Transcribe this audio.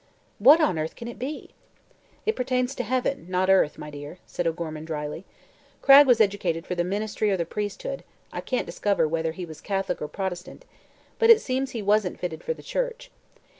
"What on earth can it be?" "It pertains to heaven, not earth, my dear," said O'Gorman dryly. "Cragg was educated for the ministry or the priesthood I can't discover whether he was Catholic or Protestant but it seems he wasn't fitted for the church.